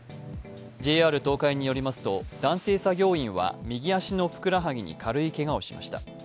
ＪＲ東海によりますと男性作業員は右足のふくらはぎに軽いけがをしました。